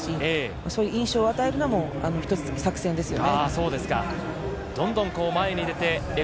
そういう印象を与えるのも一つ作戦ですね。